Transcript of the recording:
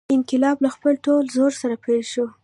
انقلاب له خپل ټول زور سره پیل شو.